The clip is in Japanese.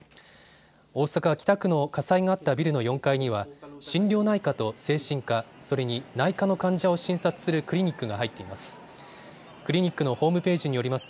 大阪北区の火災があったビルの４階には診療内科と精神科、それに内科の患者を診察するクリニックが入っています。